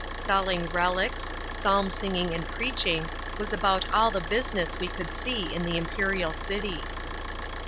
Selling "relics," psalm singing and preaching was about all the business we could see in the Imperial City.